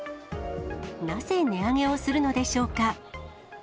なぜ、値上げをするのでしょうか。